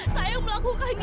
saya yang melakukan ini